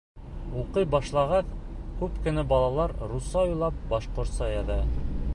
Уҡый башлағас, күп кенә балалар русса уйлап, башҡортса яҙа.